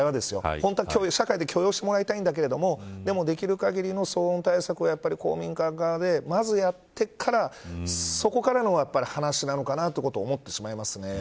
本当は社会で許容してもらいたいんだけどでも、できる限りの騒音対策を公民館側で、まずやってからそこからの話なのかなということを思ってしまいますね。